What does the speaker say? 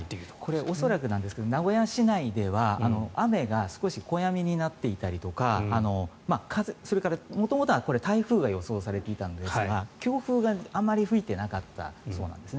これ、恐らくですが名古屋市内では雨が少し、小雨になっていたりとかそれから、元々は台風が予想されていたんですが強風があまり吹いてなかったそうなんです。